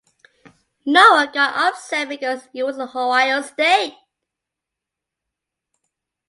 No one got upset because it wasn't Ohio State.